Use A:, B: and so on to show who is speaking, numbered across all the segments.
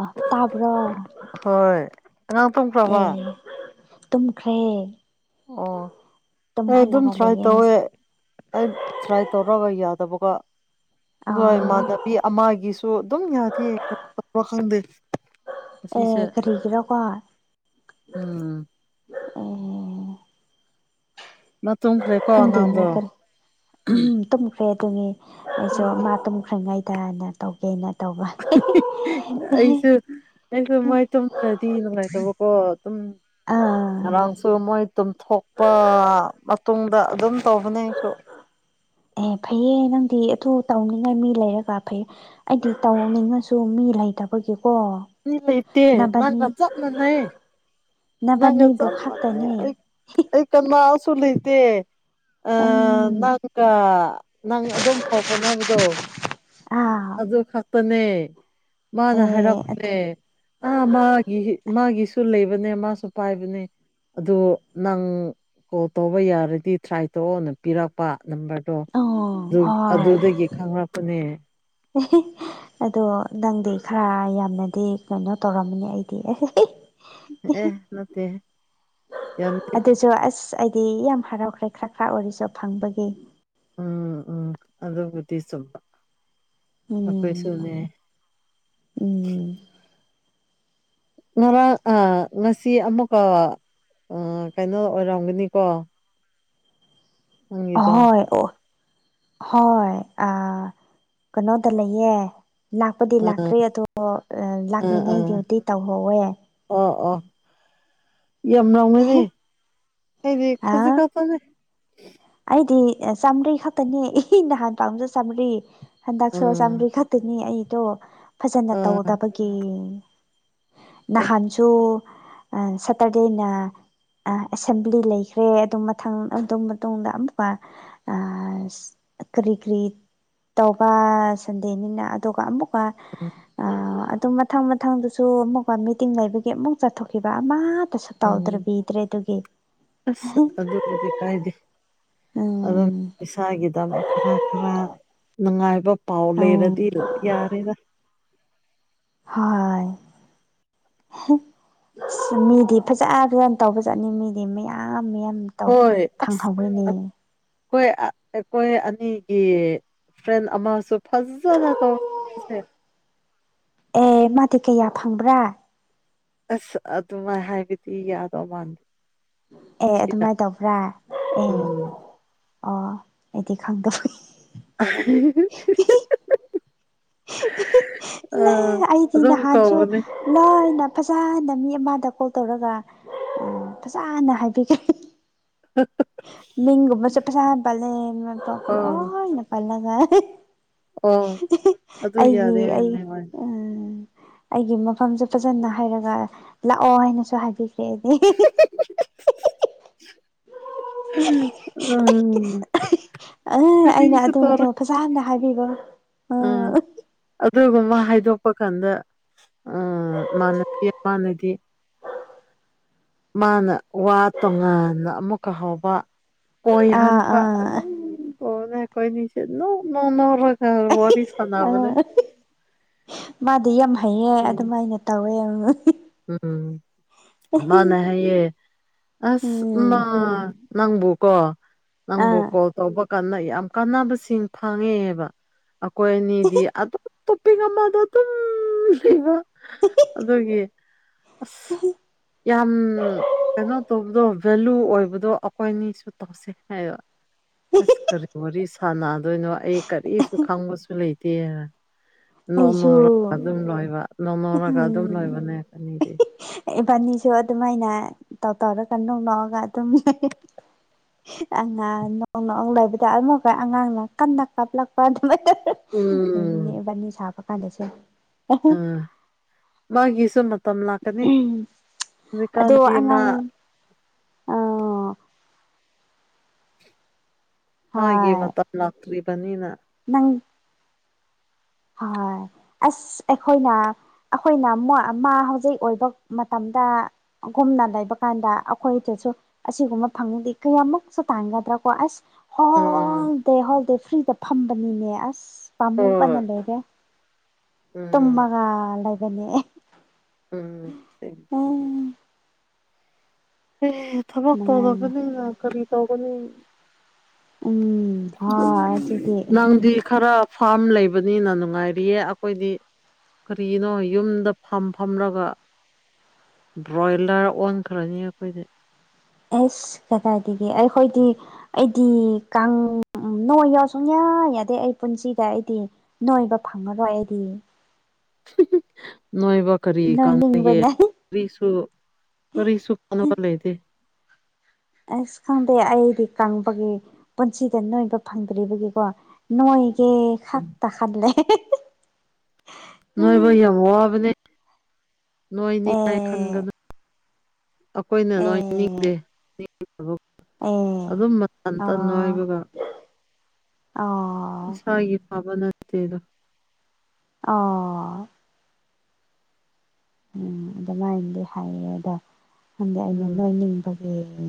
A: ꯑ ꯇꯥꯕ꯭ꯔꫭ
B: ꯍꯣꯏ ꯑꯉꯥꯡ ꯇꯨꯝꯈ꯭ꯔꯕ
A: ꯑꯦ ꯇꯨꯝꯈ꯭ꯔꯦ ꯃꯥ
B: ꯑ ꯑ ꯑꯩ ꯑꯗꯨꯝ ꯇ꯭ꯔꯥꯏ
A: ꯂꯩꯌꯦ
B: ꯇꯧꯋꯦ
A: ꯍꯧꯖꯤꯛ
B: ꯑꯩ ꯇ꯭ꯔꯥꯏ ꯇꯧꯔꯒ ꯌꯥꯗꯕꯥ ꯀ
A: ꯑ
B: ꯍꯣꯏ ꯏꯃꯥꯟꯅꯕꯤ ꯑꯃꯒꯤꯁꯨ ꯑꯗꯨꯝ ꯌꯥꯗꯦ ꯃꯥꯁꯨ ꯈꯪꯗꯔꯦ
A: ꯑꯦ ꯀꯔꯤꯒꯗ ꯀꯔ
B: ꯎꯝ
A: ꯑꯦ
B: ꯃꯥ ꯇꯨꯝꯈ꯭ꯔꯦꯀꯣ
A: ꯍꯪ [inaudible] ꯗꯤ ꯏ
B: ꯑꯉꯥꯡꯗꯣ
A: ꯈꯔ ꯎꯝ ꯇ ꯍꯣꯌ ꯑꯗꯨꯅꯩ ꯑꯩꯁꯨ ꯃꯥ ꯇꯨꯝꯈ꯭ꯔꯤꯉꯩꯗꯅ ꯇꯧꯒꯦꯅ ꯇꯧꯕ
B: ꯑꯩꯁꯨ ꯑꯩꯁꯨ ꯃꯥꯏ ꯇꯨꯝꯗ꯭ꯔꯗꯤ ꯅꯨꯡꯉꯥꯏꯇꯕꯀꯣ ꯑꯗꯨꯝ ꯒꯤ
A: ꯑꯥ
B: ꯉꯔꯥꯡꯁꯨ ꯃꯣꯏ ꯇꯨꯝꯊꯣꯛꯄ ꯃꯇꯨꯡꯗ ꯑꯗꯨꯝ ꯇꯧꯏ
A: ꯑꯦ ꯐꯩꯌꯦ ꯅꯪꯗꯤ ꯌꯥꯝ ꯑꯗꯨ ꯇꯧꯅꯤꯡꯉꯥꯏ ꯃꯤ ꯂꯩꯔꯒꯥ ꯐꯩ ꯑꯩꯗꯤ ꯇꯧꯅꯤꯡꯉꯁꯨ ꯃꯤ ꯂꯩꯇꯕꯒꯤꯅꯤ
B: ꯃꯤ ꯂꯩꯇꯦ ꯅꯪꯒ ꯆꯞ ꯃꯥꯟꯅꯩ ꯑꯩꯁꯨ ꯅꯪꯒ
A: ꯅꯕꯅꯤꯕꯨ
B: ꯆꯞ ꯃꯥꯟꯅꯩ
A: ꯈꯛꯇꯅꯦ
B: ꯑꯁꯨ ꯑꯩ ꯀꯥꯅꯁꯨ ꯂꯩꯇꯦ
A: ꯎꯝ
B: ꯅꯪꯒꯥ ꯅꯪ ꯑꯗꯨꯝ ꯐꯥꯎ ꯍꯣꯅꯕꯗꯣ
A: ꯑꯥ
B: ꯑꯗꯨꯗ ꯈꯛꯅꯤ ꯅꯦ ꯃꯥꯅ
A: ꯑꯦ
B: ꯍꯥꯏꯔꯛꯄꯦ ꯑ ꯃꯥꯒꯤ ꯃꯥꯒꯤꯁꯨ ꯁꯨ ꯂꯩꯕꯅꯦ ꯃꯥꯁꯨ ꯄꯥꯏꯕꯅꯦ ꯍꯥꯏꯅ ꯑꯗꯨ ꯅꯪ ꯀꯣꯜ ꯇꯧꯕ ꯌꯥꯔꯗꯤ ꯇ꯭ꯔꯥꯏ ꯇꯧꯑꯣꯅ ꯄꯤꯔꯛꯄ ꯃꯥꯅ ꯅꯝꯕꯔꯗꯣ
A: ꯑꯣ
B: ꯑꯗꯨ ꯑꯗꯨꯗꯒꯤ ꯈꯡꯔꯛꯄꯅꯦ
A: ꯍꯤ ꯍꯤ ꯑꯗꯣ ꯅꯪꯗꯤ ꯈꯔ ꯌꯥꯝꯅꯗꯤ ꯀꯩꯅꯣ ꯇꯧꯔꯝꯃꯅꯤ ꯑꯩꯗꯤ ꯍꯤ
B: ꯑꯦ ꯅꯠꯇꯦ ꯌꯥꯝꯗꯤ
A: ꯑꯗꯨꯁꯨ ꯑꯁꯥ ꯑꯁ ꯑꯩꯗꯤ ꯌꯥꯝ ꯍꯔꯥꯎꯈ꯭ꯔꯦ ꯈꯔ ꯈꯔ ꯑꯣꯏꯔꯤꯁꯨ ꯐꯪꯕꯒꯤ ꯅꯪꯗꯤ
B: ꯎꯝ ꯎꯝ ꯑꯗꯨꯕꯨꯗꯤ ꯆꯝꯕ
A: ꯎꯝ
B: ꯑꯈꯣꯏꯁꯨꯅꯦ
A: ꯎꯝ
B: ꯕꯥ ꯉꯔꯥꯡ ꯑꯥ ꯉꯁꯤ ꯑꯃꯃꯨꯀꯥ ꯑ ꯀꯩꯅꯣ ꯑꯣꯏꯔꯝꯒꯅꯤꯀꯣ ꯅꯪꯒꯤꯗꯣ
A: ꯍ ꯑꯣ ꯍꯣꯏ ꯑ ꯀꯩꯅꯣꯗ ꯂꯩꯌꯦꯦ ꯂꯥꯛꯄꯗꯤ ꯂꯥꯛꯇ꯭ꯔꯤ ꯑꯗꯣ
B: ꯑꯥ ꯑꯥ
A: ꯂꯥꯛꯅꯤꯡꯉꯩꯗꯨꯇꯤ ꯇꯧꯍꯧꯋꯦ
B: ꯑꯣ ꯑꯣ ꯌꯥꯝ ꯂꯥꯎꯉꯅꯦ ꯑꯩꯗꯤ ꯈꯖꯤꯛ ꯈ ꯆꯅꯦ
A: ꯍꯥꯏꯗꯤ ꯆꯥꯝꯃꯔꯤ ꯈꯛꯇꯅꯦ ꯑꯦ ꯅꯍꯥꯟ ꯄꯥꯝꯖ ꯆꯥꯝꯃꯔꯤ ꯍꯟꯗꯛꯁꯨ
B: ꯎꯝ
A: ꯆꯥꯝꯃꯔꯤ ꯈꯛꯇꯅꯤ ꯑꯩꯗꯣ ꯐꯖꯅ
B: ꯑ
A: ꯇꯧꯗꯕꯒꯤ ꯅꯍꯥꯟꯁꯨ ꯁꯇꯔꯗꯦꯅ ꯑꯦꯁꯦꯝꯕ꯭ꯂꯤ ꯂꯩꯈ꯭ꯔꯦ ꯑꯗꯨꯝ ꯃꯊꯪ ꯑꯗꯨꯝ ꯃꯇꯨꯡꯨꯡꯗ ꯑꯃꯨꯛꯀ ꯀꯔꯤ ꯀꯔꯤ ꯇꯧꯕ ꯁꯟꯗꯦꯅꯤꯅ ꯑꯗꯨꯒ ꯑꯃꯨꯛꯀ
B: ꯎꯝ
A: ꯑꯗꯨꯝ ꯃꯊꯪ ꯃꯊꯪꯗꯁꯨ ꯑꯃꯨꯛꯀ ꯃꯤꯇꯤꯡ ꯂꯩꯕꯒꯤ ꯑꯃꯨꯛ ꯆꯠꯊꯣꯛꯈꯤꯕ ꯑꯃ ꯁꯨ
B: ꯎꯝ
A: ꯇꯧꯗ꯭ꯔꯕꯤꯗ꯭ꯔꯦ ꯑꯗꯨꯒꯤ
B: ꯑꯁ ꯑꯗꯨꯕꯨꯗꯤ ꯀꯥꯏꯗꯦ ꯑꯗꯨꯝ
A: ꯎꯝ
B: ꯏꯁꯥꯒꯤꯗꯃꯛ ꯈꯔ ꯈꯔ ꯅꯨꯡꯉꯥꯏꯕ ꯄꯥꯎ ꯂꯩ
A: ꯎꯝ
B: ꯏꯔꯗꯤ ꯌꯥꯔꯦꯔ
A: ꯍꯣꯏ ꯑꯁ ꯃꯤꯗꯤ ꯐꯖ ꯐꯖꯅ ꯇꯧꯕ ꯆꯠꯅꯤ ꯃꯤꯗꯤ ꯃꯌꯥꯝ ꯃꯌꯥꯝ ꯇꯧ
B: ꯍꯣꯏ ꯑꯁ
A: ꯐꯪꯍꯧꯧꯕꯩꯅꯦ
B: ꯑꯩꯈꯣꯏ ꯑꯩꯈꯣꯏ ꯑꯅꯤꯒꯤ ꯐ꯭ꯔꯦꯟ ꯑꯃꯁꯨ ꯐꯖꯅ ꯇꯦ
A: ꯑꯦ ꯃꯥꯗꯤ ꯀꯌꯥ ꯐꯪꯕ꯭ꯔꯥ
B: ꯑꯁ ꯑꯗꯨꯃꯥꯏ ꯍꯥꯏꯕꯗꯤ ꯌꯥꯗꯧ ꯃꯥꯟꯗꯦ
A: ꯑꯦ
B: ꯁꯤꯗ
A: ꯑꯗꯨꯃꯥꯏꯅ ꯇꯧꯕ꯭ꯔꯥ ꯑꯦ
B: ꯎꯝ
A: ꯑꯣ ꯑꯩꯗꯤ ꯈꯪꯗꯕ
B: [inaudible] ꯑꯥ
A: ꯂꯩ ꯑꯩꯗꯤꯅ
B: ꯑꯗꯨꯝ
A: ꯍꯥꯥꯟꯁꯨ
B: ꯀꯧꯕꯅꯦ
A: ꯂꯅ ꯐꯖꯅ ꯃꯤ ꯑꯃꯗ ꯀꯣꯜ ꯇꯧꯔꯒ ꯐꯖꯅ ꯍꯥꯏꯕꯤꯒꯅꯤ ꯃꯤꯒꯃ ꯆꯄ ꯆ ꯄꯦ
B: ꯑꯥ
A: ꯑꯣ ꯅꯜꯂꯥꯏ
B: ꯑꯣ ꯑꯗꯨ
A: ꯑꯩꯒꯤ
B: ꯌꯥꯔꯦ
A: ꯑꯩ
B: ꯍꯥꯏꯕꯅꯦ ꯃꯥꯅ
A: ꯎꯝ ꯑꯩꯒꯤ ꯃꯐꯝꯁꯦ ꯐꯖꯅ ꯍꯥꯏꯔꯒ ꯂꯥꯛꯑꯣ ꯍꯥꯏꯅꯁꯨ ꯍꯥꯏꯕꯤ ꯎ
B: ꯎ ꯑ
A: ꯑ ꯑꯩꯅ ꯑꯗꯨꯗꯣ ꯐꯖꯥꯅ ꯍꯥꯏꯕꯤꯕꯣ
B: ꯑꯥ ꯑꯗꯨꯒꯨꯝꯕ ꯍꯥꯏꯗꯣꯛꯄ ꯀꯥꯟꯗ ꯎ ꯃꯥꯅꯕꯤ ꯃꯥꯅꯗꯤ ꯃꯥꯅ ꯋꯥ ꯇꯣꯉꯥꯟꯅ ꯑꯃꯨꯛꯀ ꯍꯥꯎꯕ ꯀꯣꯏ
A: ꯑꯥ
B: ꯍꯕ
A: ꯑꯥ
B: ꯑꯗꯨꯝ ꯄꯅꯦ ꯀꯣꯏꯅꯤꯁꯦ ꯃꯅꯔ ꯑ ꯋꯥ ꯋꯥꯔꯤ ꯁꯅꯕꯅꯦꯦ
A: ꯑꯥ ꯃꯥꯗꯤ ꯌꯥꯝ ꯍꯩꯌꯦ ꯑꯗꯨꯃꯥꯏꯅ ꯇꯧꯋꯦ
B: ꯎꯝ ꯃꯥꯅ ꯍꯥꯏꯌꯦ ꯑꯁ ꯃꯥ
A: ꯎꯝ
B: ꯅꯪꯕꯨꯀꯣ ꯅꯪꯕꯨ
A: ꯑꯥ
B: ꯀꯣꯜ ꯇꯧꯕ ꯀꯥꯟꯗ ꯌꯥꯝ ꯀꯥꯟꯅꯕꯁꯤꯡ ꯐꯪꯉꯦꯕ ꯑꯩꯈꯣꯏ ꯑꯅꯤꯗꯤ ꯑꯣꯞ ꯇꯣꯞ ꯄꯛ ꯑꯃꯗ ꯑꯗꯨꯝ ꯂꯩꯕ ꯑꯗꯨꯒꯤ ꯑꯁ ꯌꯥꯝ ꯀꯩꯅꯣ ꯇꯗꯣ ꯚꯦꯂꯨ ꯑꯣꯏꯕꯗꯣ ꯑꯩꯈꯣꯏ ꯑꯅꯤꯁꯨ ꯇꯧꯁ ꯍꯥꯏ ꯑꯁ ꯀꯔꯤ ꯋꯥꯔꯤ ꯁꯥꯟꯅꯗꯣꯏꯅꯣ ꯑꯩ ꯀꯔꯤꯁꯨ ꯈꯪꯕꯁꯨ ꯂꯩꯇꯦꯅ
A: ꯑꯩꯁꯨ
B: ꯅꯣꯅꯧꯔꯒ ꯑꯗꯨꯝ ꯂꯣꯏꯕ ꯅꯣꯅꯧꯔꯒ ꯑꯗꯨꯝ ꯂꯣꯏꯕꯅꯦ ꯑꯅꯤꯗꯤ
A: ꯕꯥꯅꯤꯁꯨ ꯑꯗꯨꯃꯥꯏꯅ ꯇꯧ ꯇꯧꯔ ꯀꯟꯗꯧ ꯂꯑꯒ ꯑꯗꯨꯝ ꯑꯉꯥꯡ ꯅꯣꯡ ꯅ ꯂꯩꯕꯗ ꯑꯃꯈ ꯑꯉꯥꯡꯅ ꯀꯟꯅ ꯀꯥꯞꯂꯛꯄ
B: ꯎꯝ
A: ꯅꯦ ꯕꯅꯤ ꯁꯥꯕ ꯀꯥꯟꯗꯁꯨꯦ
B: ꯁꯃ ꯃꯇꯝ ꯂꯥꯛꯀꯅꯤ
A: ꯑꯗꯣ
B: ꯍꯧꯖꯤꯛꯀꯥꯟꯗꯤ ꯑꯃ
A: ꯑꯉꯥꯡ ꯑꯥ
B: ꯍꯥꯏꯦ
A: ꯍꯣꯏ
B: ꯃꯜ ꯍꯥꯥꯛꯈ꯭ꯔꯤ ꯅꯤꯅ
A: ꯅꯪ ꯍꯣꯏ ꯑꯁ ꯑꯩꯈꯣꯏꯅ ꯑꯩꯈꯣꯏꯅ ꯃꯥ ꯍꯧꯖꯤꯛ ꯑꯣꯏꯕ ꯃꯇꯝꯗ ꯒꯨꯝꯅ ꯂꯩꯕ ꯀꯥꯟꯗ ꯑꯩꯈꯣꯏꯗꯁꯨ ꯑꯁꯤꯒꯨꯝꯕ ꯐꯪꯗꯦ ꯀꯌꯥꯃꯨꯛꯁꯨ ꯇꯥꯟꯒꯗ꯭ꯔꯥ ꯑꯁ
B: ꯎꯝ
A: ꯍꯣꯜ ꯗꯦ ꯍꯣꯜꯗꯦ ꯐ꯭ꯔꯤꯗ ꯐꯝꯕꯅꯤꯅꯦ ꯑꯁ ꯄꯥꯝꯃꯨ
B: ꯍꯣꯏ
A: ꯀꯟꯅ ꯂꯩꯔ
B: ꯎꯝ
A: ꯇꯃꯒ ꯂꯩꯥꯏꯕꯅꯤ
B: ꯎꯝ ꯁꯦꯡ ꯑꯦ ꯊꯕꯛ
A: ꯅꯨꯡꯉꯥꯏꯅ
B: ꯇꯧꯗꯕꯅꯤꯅ ꯀꯔꯤ ꯇꯧꯒꯅꯤ
A: ꯎꯝ ꯍꯣꯏ ꯑꯗꯨꯗꯤ
B: ꯅꯪꯗꯤ ꯈꯔꯞ ꯐꯥꯔꯝ ꯂꯩꯕꯅꯤꯅ ꯅꯨꯡꯉꯥꯏꯔꯤꯌꯦ ꯑꯩꯈꯣꯏꯗꯤ ꯀꯔꯤꯅꯣ ꯌꯨꯝꯗ ꯐꯝ ꯐꯝꯂꯒ ꯕ꯭ꯔꯣꯏꯂꯔ ꯑꯣꯟꯈ꯭ꯔꯅꯤ ꯑꯩꯈꯣꯏꯗꯤ
A: ꯑꯁ ꯀꯗꯥꯏꯗꯒꯤ ꯑꯩꯈꯣꯏꯗꯤ ꯑꯩꯗꯤ ꯀꯥꯡ ꯎꯝ ꯅꯣꯏ ꯌꯥꯎ ꯁꯨꯡꯌꯥ ꯌꯥꯗꯦ ꯑꯩ ꯄꯨꯟꯁꯤꯗ ꯑꯩꯗꯤ ꯅꯣꯏꯕ ꯐꯪꯉꯔꯣꯏ ꯑꯩꯗꯤ
B: ꯅꯣꯏꯕ ꯀꯔꯤ ꯀꯥꯟꯅꯒꯦ
A: ꯅꯣꯏꯅꯤꯡꯕꯅꯦ
B: ꯀꯔꯤꯁꯨ ꯀꯔꯤꯁꯨ ꯀꯥꯟꯅꯕ ꯂꯩꯇꯦ
A: ꯑꯁ ꯈꯪꯗꯦ ꯑꯩꯗꯤ ꯀꯪꯕꯒꯤ ꯄꯨꯟꯁꯤꯗ ꯅꯣꯏꯕ ꯐꯪꯗ꯭ꯔꯤꯕꯒꯤꯀꯣ ꯅꯣꯏ ꯦ ꯁꯥꯛ ꯇ ꯈꯥꯟꯂꯦ
B: ꯅꯣꯏꯕ ꯍ ꯍꯕꯅꯦ ꯅꯣꯏ ꯅꯤꯡꯉꯥꯏ
A: ꯑꯦ
B: ꯈꯟꯒꯅꯨ ꯑꯩꯈꯣꯏꯅ
A: ꯑꯦ
B: ꯅꯣꯏ ꯅꯤꯡꯗꯦ
A: ꯑꯦ
B: ꯑꯗꯨꯝ ꯃꯇꯝꯇꯟꯅꯣ
A: ꯑꯣ
B: ꯍꯥꯏꯕꯒ
A: ꯑꯣ
B: ꯍꯕ ꯅꯦꯗ
A: ꯑꯣ ꯎꯝ ꯑꯗꯨꯃꯥꯏꯅꯗꯤ ꯍꯥꯏꯌꯦ ꯑꯗꯣ ꯈꯪꯗꯤ ꯑꯩꯅ
B: ꯎꯝ
A: ꯅꯣꯏꯅꯤꯡꯕꯒꯤ ꯎ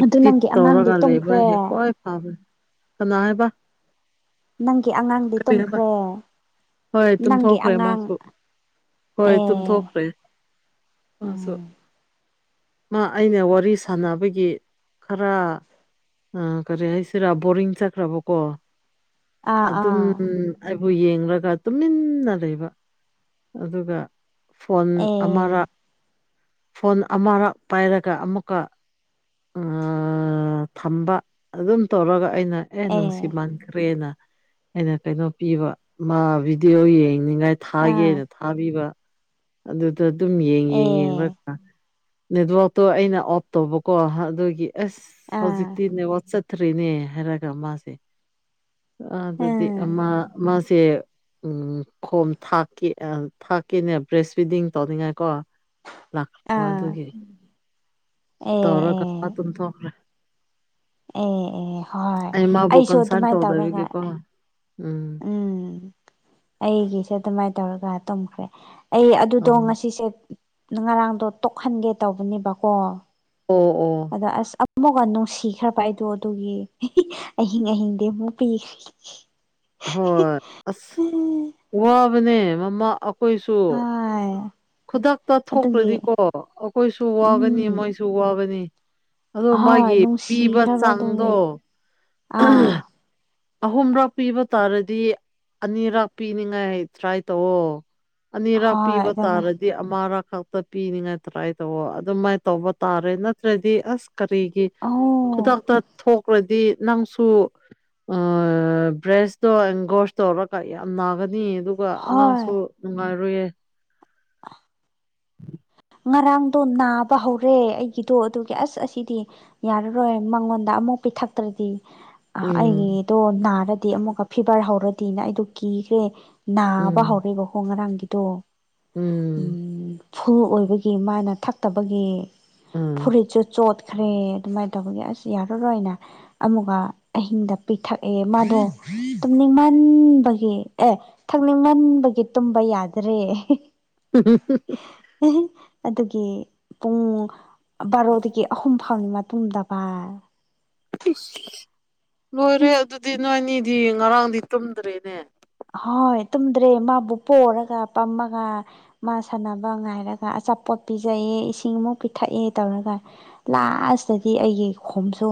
B: ꯑꯦꯛꯇꯤꯚ ꯇꯧꯔꯒ ꯂꯩꯕꯍꯦꯛ ꯑꯩꯣꯏ ꯐꯕ ꯀꯅꯥ ꯍꯥꯏꯕ
A: ꯅꯪꯒꯤ ꯑꯉꯥꯡꯗꯤ ꯇꯨꯝꯈ꯭ꯔꯦ
B: ꯍꯣꯏ ꯑꯗꯨꯝ
A: ꯅꯪꯒꯤ
B: ꯊꯣꯛꯈ꯭ꯔꯦ
A: ꯑꯉꯥꯡ
B: ꯃꯥꯁꯨ ꯍꯣꯏ ꯑꯗꯨꯝ
A: ꯑꯦ
B: ꯊꯣꯛꯈ꯭ꯔꯦ ꯑꯁꯨ
A: ꯎꯝ
B: ꯃꯥ ꯑꯩꯅ ꯋꯥꯔꯤ ꯁꯥꯟꯅꯕꯒꯤ ꯈꯔ ꯀꯔꯤ ꯍꯥꯏꯁꯤꯔꯥ ꯕꯣꯔꯤꯡ ꯆꯠꯈ꯭ꯔꯕꯀꯣ
A: ꯑꯥ
B: ꯑꯗꯨꯝ
A: ꯑꯥ
B: ꯕꯨ ꯌꯦꯡꯂꯒ ꯇꯨꯃꯤꯟꯅ ꯂꯩꯕ ꯑꯗꯨꯒ ꯐꯣꯟ
A: ꯑꯦ
B: ꯑꯃꯔꯛ ꯐꯣꯟ ꯑꯃꯔꯛ ꯄꯥꯏꯔꯒ ꯑꯃꯨꯛꯀ ꯊꯝꯕ ꯑꯗꯨꯝ ꯇꯧꯔꯒ ꯑꯩꯅ ꯑꯦ ꯅꯨꯡꯁꯤ ꯃꯥꯟꯈ꯭ꯔꯦꯅ ꯑꯩꯅ ꯀꯩꯅꯣ ꯄꯤꯕ ꯃꯥ ꯚꯤꯗꯤꯑꯣ ꯌꯦꯡꯅꯤꯡꯉꯥꯏ
A: ꯑꯥ
B: ꯊꯥꯒꯦꯅ ꯊꯥꯕꯤꯕ ꯑꯗꯨꯗ ꯑꯗꯨꯝ ꯌꯦꯡ ꯌꯦꯡ
A: ꯑꯦ
B: ꯌꯦꯡꯒ ꯅꯦꯠꯋꯥꯛꯇꯣ ꯑꯩꯅ ꯑꯣꯐ ꯇꯧꯕꯣ ꯀꯣ ꯑꯗꯨꯒꯤ ꯑꯁ
A: ꯑꯥ
B: ꯍꯧꯖꯤꯛꯇꯤ ꯅꯦꯠꯋ ꯆꯠꯇ꯭ꯔꯤꯅꯦ ꯍꯥꯏꯔꯒ ꯃꯥꯁꯦ ꯑꯗꯨꯗꯤ
A: ꯎꯝ
B: ꯑ ꯁꯦ ꯈꯣꯝ ꯊꯥꯛꯀꯦ ꯊꯥꯛꯀꯦꯅꯦ ꯕ꯭ꯔꯦꯁ ꯐꯤꯗꯤꯡ ꯇꯧꯅꯤꯡꯉꯥꯏꯀꯣ ꯂꯈꯨꯄꯥ
A: ꯑꯥ
B: ꯑꯗꯨꯒꯤ
A: ꯑꯦ ꯑꯦ
B: ꯇꯧꯔꯒꯄꯥ ꯇꯝ ꯊꯈ꯭ꯔꯦ
A: ꯑꯦ ꯑꯦ ꯍꯣꯏ
B: ꯑꯩ ꯃꯥꯕꯨ
A: ꯑꯩꯁꯨ
B: ꯀꯟꯁꯔꯟ
A: ꯑꯗꯨꯃꯥꯏꯅ ꯇꯧꯔꯒ
B: ꯇꯧꯗꯕꯒꯤꯀꯣ
A: ꯎꯝ ꯑꯩꯒꯤꯁꯦ ꯑꯗꯨꯃꯥꯏꯅ ꯇꯧꯔꯒ ꯇꯨꯝꯈ꯭ꯔꯦ ꯑꯩ ꯑꯗꯨꯗꯣ
B: ꯑꯝ
A: ꯉꯁꯤꯁꯦ ꯉꯔꯥꯡꯗꯣ ꯇꯣꯛꯍꯟꯒꯦ ꯇꯧꯕꯅꯦꯕꯀꯣ
B: ꯑ ꯑꯥ
A: ꯑꯗ ꯑꯁ ꯑꯃꯨꯛꯀ ꯅꯨꯡꯁꯤꯈ꯭ꯔꯕ ꯑꯩꯗꯣ ꯑꯗꯨꯒꯤ ꯑꯍꯤꯡ ꯑꯍꯤꯡꯗꯤ ꯑꯃꯨꯛ ꯄꯤꯈ꯭ꯔꯦ
B: ꯅꯦ ꯃꯃꯥ ꯑꯩꯈꯣꯏꯁꯨ
A: ꯍꯣꯏ
B: ꯈꯨꯗꯛꯇ
A: ꯑꯗꯨꯒꯤ
B: ꯊꯣꯛꯇ꯭ꯔꯗꯤꯀꯣ ꯑꯩꯈꯣꯏꯁꯨ ꯋꯥꯒꯅꯤ
A: ꯎꯝ
B: ꯃꯣꯏꯁꯨ ꯋꯥꯒꯅꯤ ꯑꯗꯣ
A: ꯍꯣꯏ
B: ꯃꯥꯒꯤ ꯄꯤꯕ
A: ꯅꯨꯡꯁꯤꯈ꯭ꯔꯕ ꯑꯗꯨꯒꯤ
B: ꯆꯥꯡꯗꯣ
A: ꯑꯥ
B: ꯑꯍꯨꯝꯔꯛ ꯄꯤꯕ ꯇꯥꯔꯗꯤ ꯑꯅꯤꯔꯛ ꯄꯤꯅꯤꯡꯉꯥꯏ ꯇ꯭ꯔꯥꯏ ꯇꯧꯑꯣ ꯑꯅꯤꯔꯛ
A: ꯍꯣꯏ
B: ꯄꯤꯕ
A: ꯑꯗꯨꯒ
B: ꯇꯥꯔꯗꯤ ꯑꯃꯥꯔꯛ ꯈꯥꯛꯛꯇ ꯄꯤꯅꯤꯉꯥꯏ ꯇ꯭ꯔꯥꯏ ꯇꯧ ꯑꯗꯨꯃꯥꯏꯅ ꯇꯧꯕ ꯇꯥꯔꯦ ꯅꯠꯇ꯭ꯔꯗꯤ ꯑꯁ ꯀꯔꯤꯒꯤ
A: ꯑꯣ
B: ꯈꯨꯗꯛꯇ ꯊꯣꯛꯈ꯭ꯔꯗꯤ ꯅꯪꯁꯨ ꯕ꯭ꯔꯦꯁꯇꯣ ꯑꯦꯡꯒꯣꯁ ꯇꯧꯔꯒ ꯌꯥꯝ ꯅꯥꯒꯅꯤ ꯑꯗꯨꯒ
A: ꯍꯣꯏ
B: ꯑꯉꯥꯡꯁꯨ ꯅꯨꯡꯉꯥꯏꯔꯨꯌꯦ
A: ꯉꯔꯥꯡꯗꯣ ꯅꯥꯕ ꯍꯧꯔꯦ ꯑꯩꯒꯤꯗꯣ ꯑꯗꯨꯒꯤ ꯑꯁ ꯑꯁꯤꯗꯤ ꯌꯥꯔꯔꯣꯏ ꯃꯉꯣꯟꯗ ꯑꯃꯨꯛ ꯄꯤꯊꯛꯇ꯭ꯔꯗꯤ ꯑ
B: ꯎꯝ
A: ꯑꯩꯒꯤꯗꯣ ꯅꯥꯔꯗꯤ ꯑꯃꯨꯛꯀ ꯐꯤꯚꯔ ꯍꯧꯔꯗꯤꯅ ꯑꯩꯗꯣ ꯀꯤꯈ꯭ꯔꯦ ꯅꯥꯕ
B: ꯎꯝ
A: ꯍꯧꯔꯦꯕꯣ ꯍꯣꯡ ꯉꯔꯥꯡꯒꯤꯗꯣ
B: ꯎꯝ
A: ꯐꯨꯜ ꯑꯣꯏꯕꯒꯤ ꯃꯥꯅ ꯊꯛꯇꯕꯒꯤ
B: ꯎꯝ
A: ꯐꯨꯔꯤꯠꯁꯨ ꯆꯣꯠ ꯆꯛꯈ꯭ꯔꯦ ꯑꯗꯨꯃꯥꯏꯅ ꯇꯧꯕꯒꯤ ꯑꯁ ꯌꯥꯔꯔꯣꯏꯅ ꯑꯃꯨꯛꯀ ꯑꯍꯤꯡꯗ ꯄꯤꯛꯊꯛꯑꯦ ꯃꯥꯗꯣ ꯇꯨꯝꯅꯤꯡꯃꯟꯕꯒꯤ ꯑꯦ ꯊꯛꯅꯤꯡꯃꯟꯕꯒꯤ ꯇꯨꯝꯕ ꯌꯥꯗ꯭ꯔꯦ ꯑꯗꯨꯒꯤ ꯄꯨꯡ ꯕꯥꯔꯣꯗꯒꯤ ꯑꯍꯨꯝ ꯐꯥꯎꯅꯤ ꯃꯇꯨꯡꯗꯕ
B: ꯂꯣꯏꯔꯦ ꯑꯗꯨꯗꯤ ꯅꯣꯏꯅꯤꯗꯤ ꯉꯔꯥꯡꯗꯤ ꯇꯨꯝꯗ꯭ꯔꯦꯅꯦ
A: ꯍꯣꯏ ꯇꯨꯝꯗ꯭ꯔꯦ ꯃꯥꯕꯨ ꯄꯔꯒ ꯄꯝꯃꯒ ꯃꯥ ꯁꯥꯟꯅꯕ ꯉꯥꯏꯔꯒ ꯑꯆꯥꯄꯣꯠ ꯄꯤꯖꯩꯑꯦ ꯏꯁꯤꯡ ꯑꯃꯨꯛ ꯄꯤꯊꯛꯑꯦ ꯇꯧꯔꯒ ꯂꯥꯁꯇꯗꯤ ꯑꯩꯒꯤ ꯈꯣꯝꯁꯨ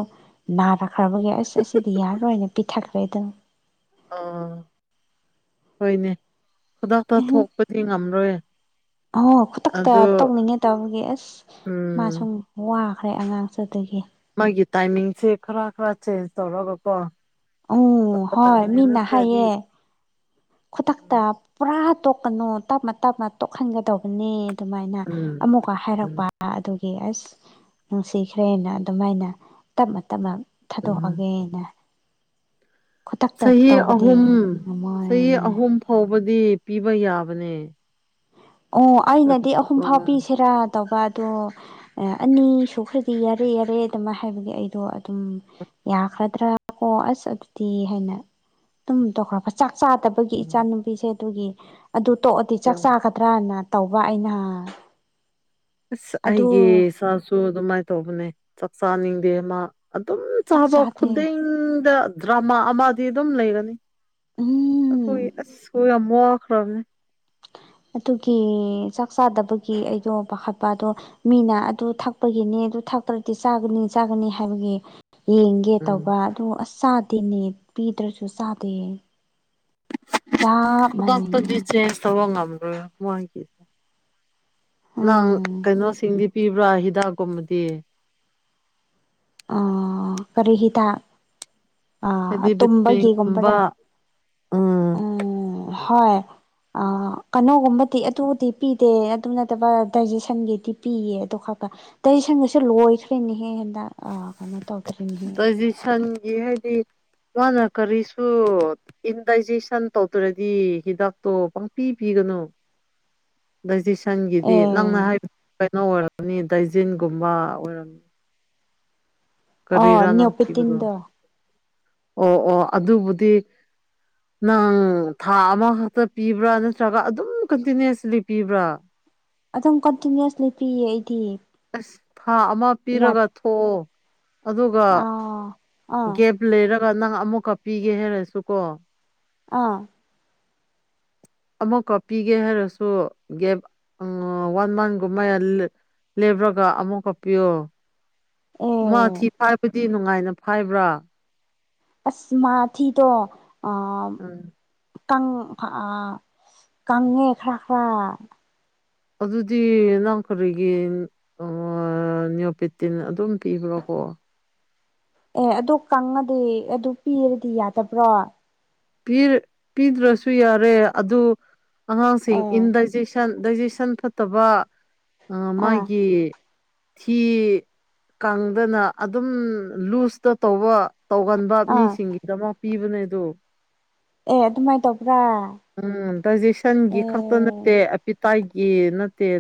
A: ꯅꯥꯔꯛꯈ꯭ꯔꯕꯒꯤꯦ ꯑꯁ ꯑꯁꯤꯗꯤ ꯌꯥꯔꯣꯏꯅ ꯄꯤꯊꯛꯈ꯭ꯔꯦ ꯑꯗꯨꯝ
B: ꯑꯣ ꯍꯣꯏꯅꯦ ꯈꯨꯗꯛꯇ ꯊꯣꯛꯄꯗꯤ ꯉꯝꯔꯣꯏ
A: ꯑꯣ ꯈꯨꯗꯛꯇ
B: ꯑꯗꯨ
A: ꯇꯧꯅꯤꯡꯉꯦ ꯇꯕꯒꯤ ꯑꯁ ꯃꯥ
B: ꯎꯝ
A: ꯁꯨꯝ ꯋꯥ ꯈ꯭ꯔꯩ ꯑꯉꯥꯡꯁꯨꯗꯒꯤ
B: ꯃꯥꯒꯤ ꯇꯥꯏꯃꯤꯡꯁꯦ ꯈꯔ ꯈꯔ ꯆꯦꯟꯖ ꯇꯧꯔꯒꯀꯣ
A: ꯎꯝ ꯍ
B: ꯇꯝꯅꯦ
A: ꯃꯤ
B: ꯅꯠꯇ꯭ꯔꯗꯤ
A: ꯅꯈꯥꯏꯦ ꯈꯨꯗꯛꯇ ꯄꯨꯔꯥ ꯇꯣꯛꯀꯅꯨ ꯇꯞꯅ ꯇꯞꯅ ꯇꯣꯛꯍꯟꯒꯗꯧꯕꯅꯤ ꯑꯗꯨꯃꯥꯏꯅ
B: ꯎꯝ
A: ꯑꯃꯨꯛꯀ ꯍꯥꯏꯔꯛꯄ
B: ꯎꯝ
A: ꯑꯗꯨꯒ ꯀ ꯑꯁ ꯅꯨꯡꯁꯤꯈ꯭ꯔꯦꯅ ꯑꯗꯨꯃꯥꯏꯅ ꯇꯞꯅ ꯇꯞꯅ ꯏ
B: ꯎꯝ
A: ꯊꯥꯗꯣꯛꯑꯒꯦꯅꯦ
B: ꯆꯍꯤ ꯑꯍꯨꯝ ꯆꯍꯤ
A: ꯉꯝꯃꯣꯏꯅꯦ
B: ꯑꯍꯨꯝ ꯐꯥꯎꯕꯗꯤ ꯄꯤꯕ ꯌꯥꯕꯅꯦ
A: ꯑꯣ ꯑꯩꯅꯗꯤ
B: ꯀꯔꯤꯁꯨ
A: ꯑꯍꯨꯝ ꯐꯥꯎ
B: ꯄ꯭ꯔꯣꯕ꯭ꯂꯦꯝ
A: ꯄꯤꯁꯤꯔꯥ ꯇꯧꯕ ꯑꯗꯣ ꯑꯅꯤ ꯁꯨꯈ꯭ꯔꯗꯤ ꯌꯥꯔꯦ ꯌꯥꯔꯦ ꯑꯗꯨꯃ ꯍꯥꯏꯕꯒꯤ ꯑꯩꯗꯣ ꯑꯗꯨꯝ ꯌꯥꯈ꯭ꯔꯗ꯭ꯔꯥ ꯀꯣ ꯑꯁ ꯑꯗꯨꯗꯤ ꯍꯥꯏꯅ ꯑꯗꯨꯝ ꯇꯧꯈ꯭ꯔꯛꯄ ꯆ ꯆꯥꯗꯕꯒꯤ ꯏꯆꯥ ꯅꯨꯨꯄꯤꯁꯦ ꯑꯗꯨꯒꯤ ꯑꯗꯨ ꯇꯣꯛ ꯄꯥꯛ
B: ꯑꯣ
A: ꯆꯥꯒꯗ꯭ꯔꯥꯅ ꯇꯧꯕ ꯑꯩꯅ
B: ꯑꯁ
A: ꯑꯗꯨ
B: ꯑꯩꯒꯤ ꯏꯆꯥꯁꯨ ꯑꯗꯨꯃꯥꯏꯅ ꯇꯧꯕꯅꯦ ꯆꯥꯛ ꯆꯥꯅꯤꯡꯗꯦ ꯃꯥ ꯑꯗꯨꯝ
A: ꯆꯥꯛ
B: ꯆꯥꯕ
A: ꯆꯥꯗꯦ
B: ꯈꯨꯗꯤꯡꯗ ꯗ꯭ꯔꯃꯥ ꯑꯃꯗꯤ ꯑꯗꯨꯝ ꯂꯩꯔꯅꯤ ꯑ
A: ꯎꯝ
B: ꯑꯁꯣꯏ ꯌꯥꯝꯃꯣ ꯋꯥꯈꯔꯅꯦ
A: ꯑꯗꯨꯒꯤ ꯆꯥꯛ ꯆꯥꯗꯕꯒꯤ ꯑꯩꯗꯣ ꯄꯥꯈꯠꯄ ꯑꯗꯣ ꯃꯤꯅ ꯑꯗꯨ ꯊꯛꯄꯒꯤꯅꯦ ꯑꯗꯨ ꯊꯥꯛꯇꯔꯗꯤ ꯆꯥꯒꯅꯤ ꯆꯥꯒꯅꯤ ꯍꯥꯏꯕꯒꯤ ꯌꯦꯡꯒꯦ
B: ꯎꯝ
A: ꯇꯧꯕ ꯑꯗꯨ ꯑꯁ ꯆꯥꯗꯦꯅꯦ ꯄꯤꯗ꯭ꯔꯁꯨ ꯆꯥꯗꯦꯌꯦ
B: ꯈꯨꯗꯛꯇ ꯆꯦ ꯁꯕꯉ ꯋꯥꯁꯦ ꯅꯪ
A: ꯎꯝ
B: ꯀꯩꯅꯣꯁꯤꯡꯗꯤ ꯄꯤꯕ꯭ꯔꯥ ꯍꯤꯗꯥꯛꯀꯨꯝꯕꯗꯤ
A: ꯑ ꯀꯔꯤꯍꯤ ꯇ ꯑꯥ
B: ꯍꯥꯏꯗꯤ
A: ꯇꯨꯝꯕꯒꯤꯒꯨꯝꯕꯒ
B: ꯚꯤꯇꯃꯤꯟꯒꯨꯝꯕ ꯎꯝ
A: ꯎꯝ ꯍꯣꯏ ꯑ ꯀꯩꯅꯣꯒꯨꯝꯕꯗꯤ ꯑꯗꯨꯕꯨꯗꯤ ꯄꯤꯗꯦ ꯑꯗꯨ ꯅꯠꯇꯕ ꯗꯥꯏꯖꯦꯁꯟꯒꯤꯗꯤ ꯄꯤꯌꯦ ꯑꯗꯨ ꯈ ꯇꯁꯟꯒꯁ ꯂꯣꯏꯈ꯭ꯔꯤꯅꯤꯍꯦ ꯍꯟꯗꯛ ꯀꯩꯅꯣ ꯇꯧꯗ꯭ꯔꯤꯅꯤꯍꯦ
B: ꯌꯦ ꯍꯥꯏꯗꯤ ꯃꯥꯅ ꯀꯔꯤꯁꯨ ꯏꯟꯗꯥꯏꯖꯦꯁꯟ ꯇꯧꯗ꯭ꯔꯗꯤ ꯍꯤꯗꯥꯛꯇꯣ ꯄꯪꯄꯤꯕꯤꯒ ꯣꯁꯁ ꯁꯟꯒꯤꯗꯤ ꯅꯪꯅ
A: ꯑꯦ
B: ꯍꯥꯏꯕ ꯀꯩꯅꯣ ꯑꯣꯏꯔꯝꯅꯤ ꯗꯗꯥꯏꯖꯤꯟꯒꯨꯝꯕ ꯑꯣꯏꯔꯝꯅꯤ
A: ꯑꯣ
B: ꯀꯔꯤꯔꯥ ꯅꯄꯤꯕꯗꯣ
A: ꯅꯤꯌꯣꯄꯦꯇꯤꯟꯗꯣ
B: ꯑꯣ ꯑꯣ ꯑꯗꯨꯕꯨꯗꯤ ꯅꯪ ꯊꯥ ꯑꯃꯈꯛꯇ ꯄꯤꯕ꯭ꯔꯥ ꯅꯠꯇ꯭ꯔꯒ ꯑꯗꯨꯝ ꯀꯟꯇꯤꯅꯋꯁꯂꯤ ꯄꯤꯕ꯭ꯔꯥ
A: ꯑꯗꯨꯝ ꯀꯟꯇꯤꯅꯨꯁꯅꯤ ꯄꯤꯌꯦ ꯑꯩꯗꯤ
B: ꯑꯁ ꯊꯥ ꯑꯃ ꯄꯤꯔꯒ
A: ꯌꯥꯗꯦ
B: ꯊꯣꯛꯑꯣ ꯑꯗꯨꯒ
A: ꯑꯥ ꯑꯥ
B: ꯒꯦꯞ ꯂꯩꯔꯒ ꯅꯪ ꯑꯃꯨꯛꯀ ꯄꯤꯒꯦ ꯍꯥꯏꯔꯁꯨ ꯀꯣ
A: ꯑꯥ
B: ꯑꯃꯨꯛꯀ ꯄꯤꯒꯦ ꯍꯥꯏꯔꯁꯨ ꯒꯦꯞ ꯋꯥꯟ ꯃꯟꯒꯨꯝꯕ ꯂꯦꯕ꯭ꯔꯒ ꯑꯃꯨꯛ ꯀꯞꯄꯤꯌꯣ ꯃꯥꯊꯤ
A: ꯑꯦ
B: ꯐꯥꯏꯕꯗꯤ ꯅꯨꯡꯉꯥꯏꯅ ꯐꯥꯏꯕ꯭ꯔꯥ
A: ꯑꯁ ꯃꯥꯊ ꯇꯣ ꯑ
B: ꯎꯝ
A: ꯀ ꯀꯪꯉ ꯈꯔ ꯈꯔ
B: ꯑꯗꯨꯗꯤ ꯅꯪꯈꯔꯤꯒꯤ ꯅꯤꯌꯣꯄꯦꯇꯤꯟ ꯑꯗꯨꯝ ꯄꯤꯕ꯭ꯔꯣꯀꯣ ꯑꯣ
A: ꯑꯦ ꯑꯗꯨ ꯀꯪꯉꯗꯤ ꯑꯗꯨ ꯄꯤꯔꯗꯤ ꯌꯥꯗꯕ꯭ꯔꯣ
B: ꯄꯤꯗ꯭ꯔꯁꯨ ꯌꯥꯔꯦ ꯑꯗꯨ ꯑꯉꯥꯡꯁꯤꯡ
A: ꯑꯦ
B: ꯏꯟꯗꯥꯏꯖꯦꯁꯟ ꯗꯥꯏꯖꯦꯁꯟ ꯐꯠꯇꯕ
A: ꯑꯥ
B: ꯃꯥꯒꯤ ꯊꯤ ꯀꯥꯡꯪꯗꯅ ꯑꯗꯨꯝ ꯂꯨꯁꯇ ꯇꯧꯕ ꯇꯧꯒꯟꯕ
A: ꯑꯥ
B: ꯃꯤꯁꯤꯡꯒꯤꯗꯃꯛ ꯄꯤꯕꯅꯦ ꯑꯗꯨ
A: ꯑꯦ ꯑꯗꯨꯃꯥꯏꯅ ꯇꯧꯕ꯭ꯔꯥ
B: ꯎꯝ ꯗꯥꯏꯖꯦꯁꯟꯒꯤ ꯈꯛꯇ
A: ꯑꯦ
B: ꯅꯠꯇꯦ ꯑꯄꯤꯇꯥ ꯌꯦ ꯅꯠꯇꯦ ꯑꯗꯨ